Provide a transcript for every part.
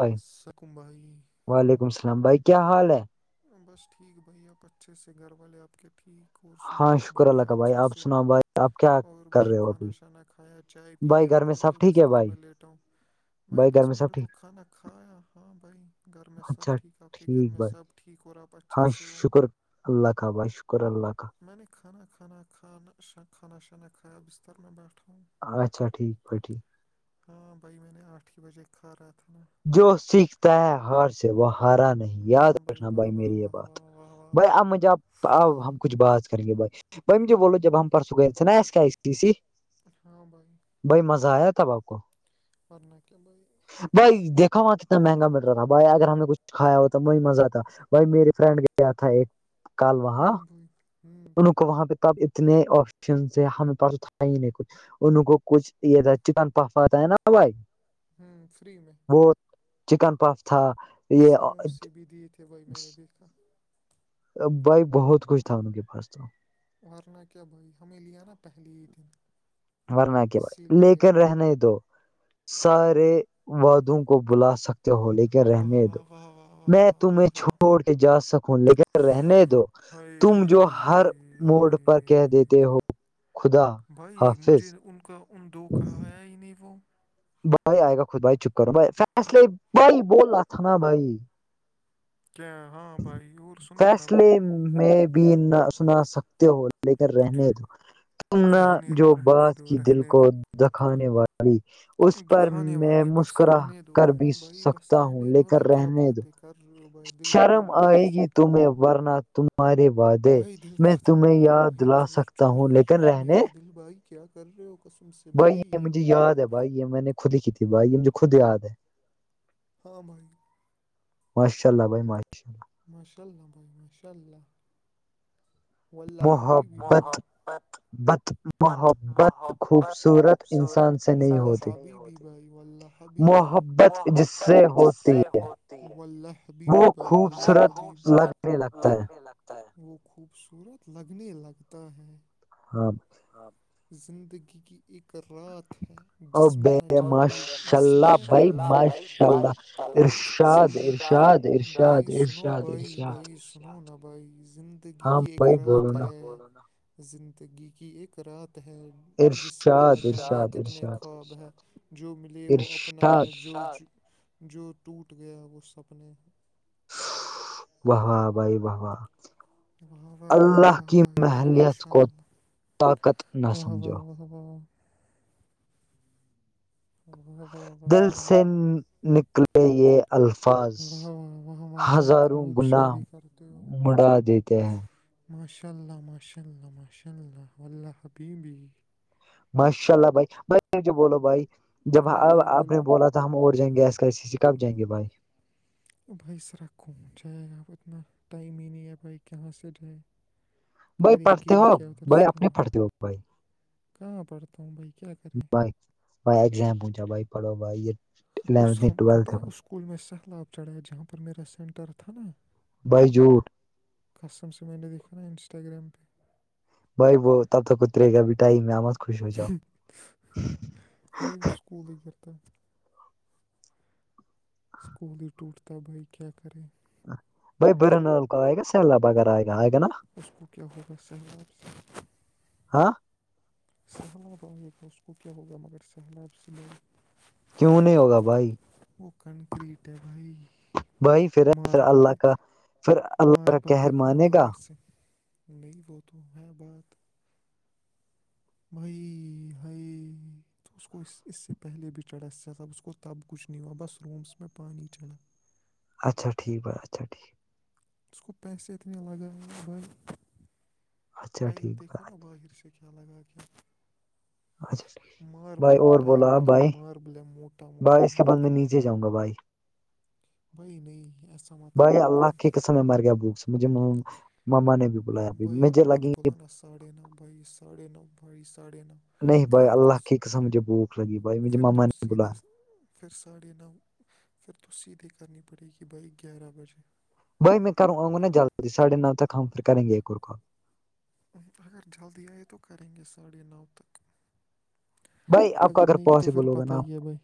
بھائی سکمبھائی وعلیکم السلام بھائی کیا حال ہے بس ٹھیک بھائی آپ اچھے سے گھر والے آپ کے ٹھیک اور سناؤ ہاں آپ شکر اللہ بڑھیا کا بھائی اچھے آپ سے سناؤ بھائی آپ کیا اور کر بھائی رہے ہو ابھی کھانا شانا کھایا چائے پ بھائی گھر میں اپنے سب بس ٹھیک ہے بستر بھائی میں لیٹوں بھائی گھر بس میں سب نے ٹھیک تو کھانا کھایا ہاں بھائی گھر میں اچھا سب ٹھیک آپ کے گھر میں بھائی سب ٹھیک اور آپ اچھے ہاں سے ہو شکر اللہ کا بھائی شکر اللہ کا میں نے کھانا کھانا کھانا کھانا شانا کھایا بستر میں بیٹھا ہوں اچھا ٹھیک پھی ہاں بھائی میں نے آٹھ ہی بجے کھا رہا تھا نا جو سیکھتا ہے ہار سے وہ ہارا نہیں یاد ہاں رکھنا واہ بھائی واہ میری یہ واہ بات واہ واہ بھ واہ آپ مجھے اب ہم کچھ بات کر گے بھائی بائی مجھے بولو جب ہم پرسوں گئے س نس کیای ہاں بھائیائی بھائی مزہ آیا تھاب آپ کو پرورنا کیا ب بھائی دیکھا وہاں کتنا مہنگا مل رہا تھا بھائی اگر ہم نے کچھ کھا ہو تو وہ ہی مزہ آتا وہی میری فرینڈ گیا تھا ایک کال وہاں ہوں بھائی ہوں ان کو وہاں پہ ب اتنے آپشن سے ہے ہمیں پاس ا تھا ہی نہیں کچھ ان کو کچھ یہ تھا چکن پاپا ہے نا بھائی ہوں فری میں وہ چکن پاپ تھا یہ سموسے بھی دیے تھے بھائی میں نے دیکھا بھائی بہت کچھ تھا ان کے پاس تو ورنا کیا بھائی ہمیں لیا نا پہلے ہی دن اسی لیے [unintelligible] سارے ودوں کو بلا سکتے ہو لیکن واہ رہنے دو واہ واہ واہ میں واہ واہ واہ تمہیں واہ چھوڑ کے جا سکوں لیکن رہنے دو [unintelligible] ہائے تم جو ہر موڈ پر کہہ دیتے ہو خدا حافظ [unintelligible] [unintelligible] کیا ہاں بھائی اور سنا ہو نا بھائی [unintelligible] تمنا رہنے جو دو رہنے بات دو کی دل رہنے کو دو دکھانے والی دکھانے والی بس رہنے دو بھائی بھائی بس رہنے دو نا کیا [unintelligible] [unintelligible] آ گ ت کا میںیں ورنات بھائی دل ختم ہو گیا بھائی چور چور کر رہے ہو میرا [unintelligible] دل بھائی کیا کر رہے ہو قسم سے بھائی [unintelligible] [unintelligible] [unintelligible] ماشاء اللہ بھائی ماشاء اللہ اللہ ولہبی محبت محت [unintelligible] بت محبت خوبصورت انسان سے نہیں ہوتی [unintelligible] محبت جس سے ہوتی ہے وہ [unintelligible] خوبصورت لگنے لگتا ہے [unintelligible] [unintelligible] زندگی کی ایک رات ہے اور بے ماشاء اللہ بھائی ماشاء اللہ ارشاد ارشاد ارشاد ارشاد ارشاد [unintelligible] [unintelligible] زندگی ہاں کی ایک بھائی بولو رات نا ہے زندگی کی ایک رات ہے ارشاد ارشاد ارشاد [unintelligible] جو ملے وہ اپنا ہے ارشاد جو جو ٹوٹ گیا وہ سپنے ہیں ا [unintelligible] واہ واہ واہ واہ بھائی ماشاء اللہ واہ [unintelligible] [inaudible] [unintelligible] بھائی واہ [unintelligible] واہ واہ واہ کیا خوب شاعری کرتے ہو [unintelligible] ماشاء اللہ ماشاء اللہ ماشاء اللہ اللہ حب بھی [unintelligible] ہم ہاں بھائی بولو اور جائ گ ایس کر سی سی کبائیں گے بائک [unintelligible] کریں گے بھی کیا ادھر سرا بھائی [unintelligible] کہاں پڑھتا ہوں بھائی کیا کریں بھائی بھائی ایگزام پونچا بھائی پڑھو بھائی اس الیونتھ نہیں ہم پت ٹویلتھ ہے اس اسکول میں سہلاب چڑھایا جہاں پر میرا سینٹر تھا نا بائیجوٹھ کسٹمس سے میں نے دیکھا ہے انسٹاگررام پہ بھائی وہ تب تو اتر گا اب ٹائم میں آم وہئی وہ سکول ہی کرتا [unintelligible] اسکول ہی ٹوٹتا بھائی کیا کرے بئی بری نلک آئے گا سلہ بغیرہ آ گا آگ نا اس کو کیا ہوگا ساحباب سے [unintelligible] ہاں [unintelligible] سہلاب آے گ اس کو کیا ہوگا مگر سہلاب سے ل کیوں نہیں ہوگا بھائی وہ کنکریٹ ہے بھائی بھائی پھر پھر ماربل اللہ ت کا پھر اللہ کا ماربل کہر د کھلانا مانے گا بغر سند نہیں وہ تو ہے بات بھئی ہےئی تو اس کو اس اس سے پہلے بھی چڑھا اس سب اس کو تب کچھ نہیں ہوا بس رومس میں پانی چڑھا اچھا ٹھیک ہے اچھا ٹھیک اس کو پیسے اتنے لگائے بھائی اچھا ٹائل ٹھیک دیکھو بھائی نا باہر سے کیا لگا کے اچھا ٹھیک بھائی ماربل اور ٹائل بولا آپ بھی ک بھائی ماربل موٹ بھائی اس کے بعد میں نیچے جاؤں گا بھائی بھائی نہیں ایسا مات کرنا بھائی سے مار گیا بکس مجھے ماما نے بھی بلایا بھائی آپ مجھے کو میں نے لگی بولا نا ساڑھے ن بھائی ساڑھے ن بھائی ساڑھے ن نہیں بھائی اللہ کی قسم مجھے بھوک لگی بھائی مجھے پھر ماما تم نے بولا سیدھے س- پھر ساڑے ن پھر تس یہ تو کرنی پڑے کہ بائی گیارہ بجے بھائی میں کروں آؤںا نا جلدی ساھے نو تک ہمھر کریں گے ایک اور کال اگر جلدی آئے تو کریں گے ساڑھے نو تک بھائی آپ کا اگر نہیں تو پھر پاسبل ہوگا پتہ نا آپ ہی ہے بھائی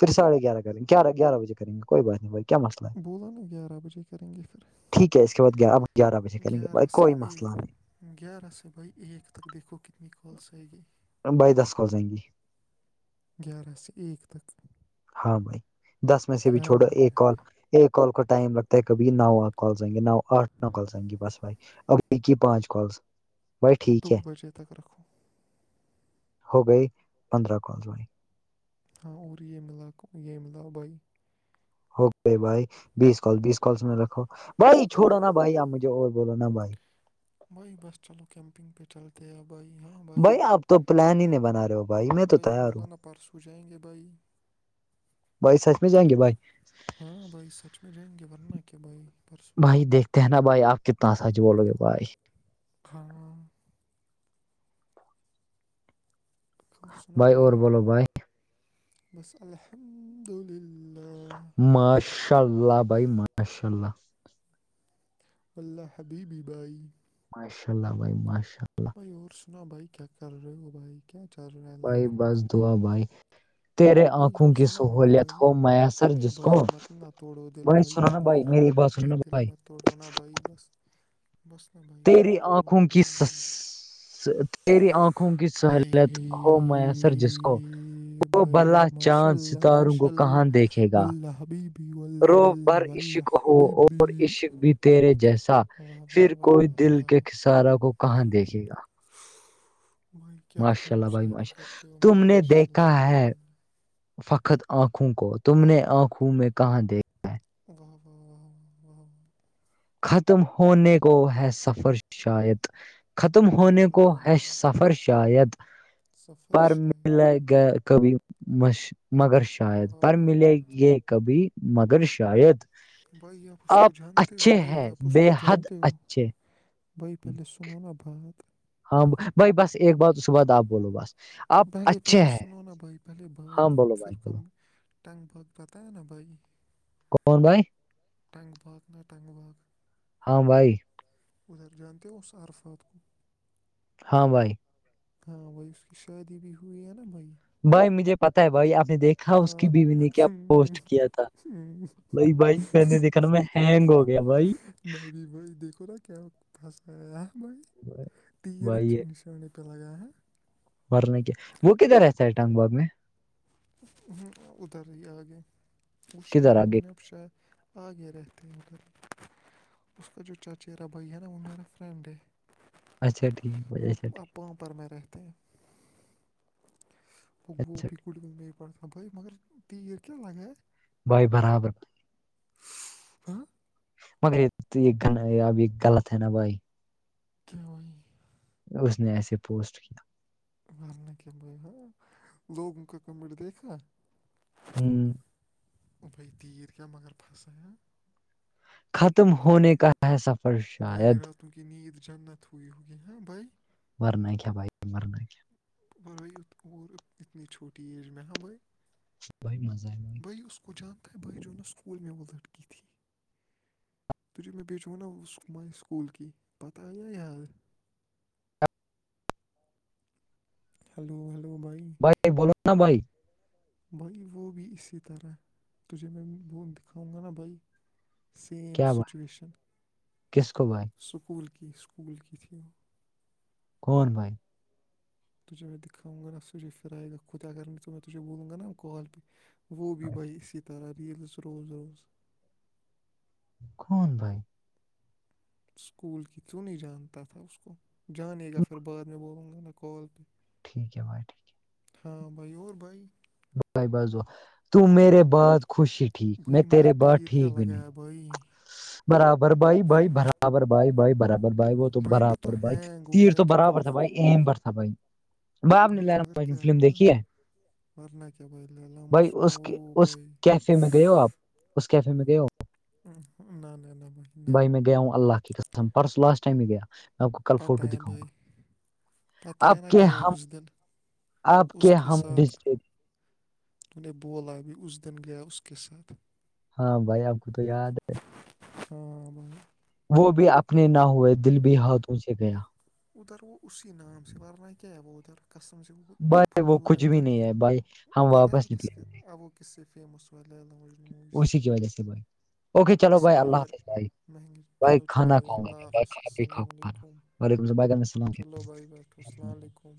پھر سڑھے گیار کریں گیہ گیار بجےیں گےئی بات نہیں بھائی کیا مسئلہ ہے بولا نا گیارہ بجے کریں گے پھر ٹھیک ہے اس کے بع گیارہ گیارہ بجے کریں گے بھائی گیارہ سے کوئی مسئلہ ایک نہیں گیارہ س بائی ایک تک دیکھو کتنی کال س آ گی بائی داس ک جائیں گی گیارہ سے ایک تک ہاں بھائی دس میں سے بھی کیا چھوڑو ایک بولتے کال ایک کال کو ٹائم لگتا ہے کبھی نو کالائیں گے نو آٹھ نو کالس آئیں گی بس بھائی ا کی پانچ کالس بھائی ہیں دو ٹھیک ہے بجے تک رکھو ہو گئی پندرہ کالز بائی ہاں اور یہ ملا یہ ملا بھائی اوکے بھائی بیس کال بیس کالس میں رکھو بھائی چھوڑو نا بھائی آپ مجھے اور بولو نا بھائی بھائی بس چلو کیمپنگ پہ چلتے ہیں بھائی ہاں بھائی تو پلان ہی نہیں بنا رہے ہو بھائی میں تو تیار بولا ہوں نا پرسوں جائیں گے بھائی بھائی سچ میں جائیں گے بھائی ہاں بھائی سچ میں جائیں گے ورنہ کیا بھائی پرسوں بھائی جائیں گے دیکھتے ہیں نا بھائی آپ کتنا سج بولو گے بھائی ہھاناں سنا بھائی اور بولو بھائی بس الحمد للہ ماشاء اللہ بھائی ماشاء اللہ اللہ حبیب بائی ماشاء اللہ بھائی ماشاء اللہ بھائی اور سنا بھائی کیا کر رہے ہو بھائی کیا چ رہ بھائی بس دعا بھائی تیرے بھائی آنکھوں اور کی سنا ہو نا سہولیت بھائی ہو میسر اے جس کو بھائی مت نہ توڑو دل بھائی سنو نا بھائی میری بات سنو نا بھائی تڑ وانا بھائی بس بس نا بھائی مت تیری ت ونا آنکھوں کی دل بھائی سس تیری آنکھوں کی سہولت ہائے ہو میسر جس کو یہ وہ بھلا بھائی ماشا چاند اللہ ستاروں ماشا کو کہاں دیکھے گا اللہلہ حبیبی و و و وہ اور عشق بھی تیرے جیسا واہ واہ پھر واہ واہ کوئی دل واہ کے کھسارا کو کہاں دیکھے گا بائی کیا ماشاء خوب اللہ بھائی شاری ماشاء کرتے اللہ۔ ہو بائی ماشاء اللہ ماشاء اللہ فخت آنکھوں کو تم نے آنکھوں میں کہاں دیکھا و و و و و و [unintelligible] ختم ہونے کو ہے سفر شاید ختم واہ ہونے کو واہ واہ واہ ہےش سفر شاید سفر پر م شاید کبھی م مگر شاید واہ پر واہ ملے یہ [unintelligible] کبھی مگر شاید بھائی آپ اس کو جانتے ہو اچھے بھائی ہیں آپ اس بے کو حد جانتے ہو اچھے بھائی پہلے سن ہونا بعد ہاں بھائی بس ایک بار اس کے بعد آپ بولو بس آپ پہلے اچھے پہلے ہیں سنو نا بھائی پہلے ہاں بات بولو بھائی پھر بولو کوم ٹنگ بھگ بتیا نا بھائی کون بھائی [unintelligible] نگ باغ نہا نگ باغ ہاں بھائی ادھر جانتے اس عرفات کوو [unintelligible] ہاں بھائی ہاں وہائی اس کی شادی بھی ہوئی ہے نا بھائی بھائی مجھے پتا ہے بھائی آپ نے دیکھا اس کی ہاں بیوی نے کیا پوسٹ کیا تھا میں بھائی بھائی میں نے دیکھا نا میں ہینگ ہو گیا بھائی بھی بھائی دیکھو نا کیا [unintelligible] بسا آیا ہم بھائی تیرتھ نشانے پ لگا ورنے کیا وہ کدھر رہتا ہےٹگ باغ میں [unintelligible] ادھر ہی آگے وہ شاید کدھر موہ آگے نے پ شاید [unintelligible] آگے رہتے ہیں کر اس کا جو چاچہا بھیا نا وہمییرا فرنڈ ہے اچھا ٹھیک ہے اچھاٹھیک پام پر میں رہتے ہیں وہ اچھا ٹھیک پ مگر تیر کیا لگاے ہے [unintelligible] بائے برابر ہاں [inaudible] مگر یہ تو یہ اب یہ غلط ہے نا بھائی دوری [unintelligible] اس نے ایسے پوسٹ کیا مارنے کے ب ہاں لوگوں کا کمٹ دیکھا ہوں [inaudible] اب تت کیا مگر پھسں ختم راتوں ہونے کا ہے سفر بھائی شاید راتوں کی نینید جنت ہوئی ہوگ ہاں بھائی مرن کیا بھ مرنا ہے کیا برت ا ات چھوٹی ایج میں ہ ب [unintelligible] بی مزہ ہے بھائی [unintelligible] کچ جانت بائیج نہ س اسکول میں وہ لڑکی تھی ت م میں بی چوانا اس سکول کیی پتہ آیایا یار ہلو ہلو بھائی بائی بولوا بھائی [unintelligible] بھائی وہ بھی اسی طرح تجھے میں وہ دکھاؤں گا نا بھائی سیم کیا بھائی سچویشن کس کو بھائی سکول کی اسکول کی تھی وہ کون بھائی تجھ میں دکھام گ سچے فرا گ ک خودت اگر ب گ نا کال پ وہ بھی بچہ اسی طرح ریلز روز روز کون بھائی اسکول کی کیوں نہیں جانتا تھا اس کو جانے گا پھر بعد میں بولوں گا نا کال پہ ٹھیک بھائیٹھیک ہاں بھائی اور بھائی بائی بازو تو میرے بعات خوشی ٹھیک میں بھائی مگر تیرے بر تیر کیا ٹھیک بھی نہیں لگایا بھائی، برابر بائی بائی برابر بائی بائی برابر بھائی وہ تو میں برابر بائی ہینگ ہو تیر گیا تو جب میں برابر نے تھا بھائی فون، ایم پر تھا بھائی ب آپ نے لرامج میں فلم دیکھی ہے ورن کیا بل اللہ بھائی اس اس کیفے میں گئے ہو آپ اس کیفے میں گئے ہو نہ نہ نہ ب بھائی میں گیا ہوں اللہ کی قسم پرس لاسٹائم میں گیا میں آپ کو کل پتہ فوٹو ہے دکھاؤں گا بھائی، پتہ آب ہے نا، کے گیا ہم اس دن آپ کے ہم بھیج انہیں بولا ابھی اس دن گیا اس کے ساتھ ہاں بھائی آپ کو تو یاد ہے ہاں وہ بھی اپنے نہ ہوئے دل بھی ہاتھوں سے گیا ادھر وہ اسی نام سے ورنہ کیا ہے وہ ادھر کسٹم سے وہ ات نہ بھائی وہ فضول ہے کچھ بھی ادھر کی نہیں بھائی ہم بتایا وہ واپس کس نکلے ک اب وہ کس سے فم ہو ل مج وہ سے کی وج جہ سے بولائی اوکے چلو اسی بھائی لیے اللہ ادھر حافظ بھائی مہنگی بھائی چلو چلو کھانا بھائی کھؤں گا اللہ حافظ بائی بھی السلام کھاؤھانا علیکم وعلم چلو بھائی بیٹو السلام علیکم